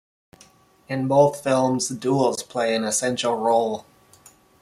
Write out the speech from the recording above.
In both films, duels play an essential role.